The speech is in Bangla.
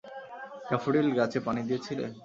ড্যাফোডিল গাছে পানি দিয়েছিলে?